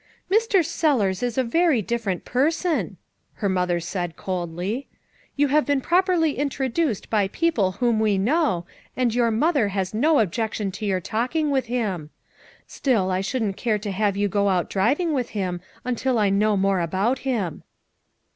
"Mr. Sellers is a very different person," her mother said coldly. "You have been prop erly introduced by people whom we know, and your mother has no objection to your talking with him. Still, I shouldn't care to have you go out driving with him, until I know more about him."